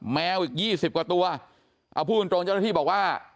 แมวอีก๒๐กว่าตัวเอาพูดตรงเจ้าหน้าที่บอกว่า